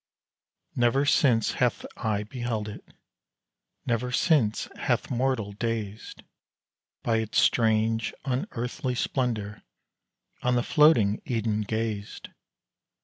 Never since hath eye beheld it never since hath mortal, dazed By its strange, unearthly splendour, on the floating Eden gazed!